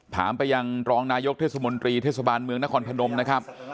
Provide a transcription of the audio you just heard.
ถามไปยังรองนายกเทศมนตรีเทศบาลเมืองนครพนมนะครับ